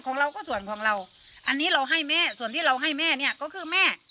ของเราก็ส่วนของเราอันนี้เราให้แม่ส่วนที่เราให้แม่เนี่ยก็คือแม่